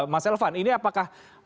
mas elvan ini apakah